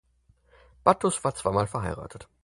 Battus war zweimal verheiratet.